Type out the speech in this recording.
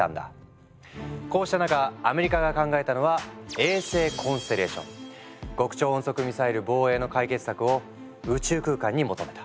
こうした中アメリカが考えたのは極超音速ミサイル防衛の解決策を宇宙空間に求めた。